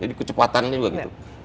jadi kecepatannya juga gitu